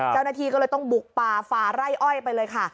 เจ้าหน้าที่ก็เลยต้องบุกป่าฝ่าไร่อ้อยไปเลยค่ะ